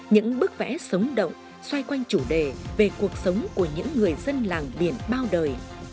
những bức vẽ sống động xoay quanh chủ đề về cuộc sống của những người dân làng biển bao đời